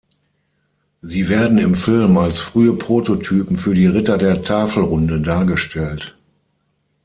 Sie werden im Film als frühe Prototypen für die "Ritter der Tafelrunde" dargestellt.